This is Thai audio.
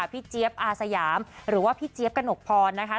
เจี๊ยบอาสยามหรือว่าพี่เจี๊ยบกระหนกพรนะคะ